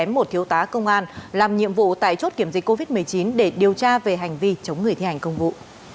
một thiếu tá công an làm nhiệm vụ tại chốt kiểm dịch covid một mươi chín để điều tra về hành vi chống người thi hành công vụ